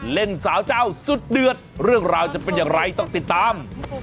เล่นสาวเจ้าสุดเดือดเรื่องราวจะเป็นอย่างไรต้องติดตาม